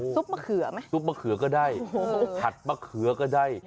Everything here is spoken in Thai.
มะเขือไหมซุปมะเขือก็ได้ผัดมะเขือก็ได้